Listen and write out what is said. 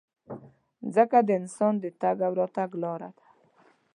مځکه د انسان د تګ او راتګ لاره ده.